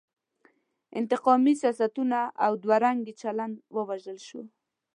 انتقامي سیاستونه او دوه رنګی چلن ووژل شي.